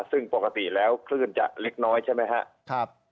ซึ่งปกติแล้วคลื่นจะเล็กน้อยใช่ไหมครับ